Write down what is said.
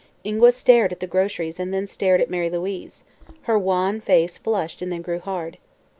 Ingua stared at the groceries and then stared at Mary Louise. Her wan face flushed and then grew hard.